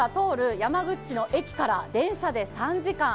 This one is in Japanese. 山口市の駅から電車で３時間。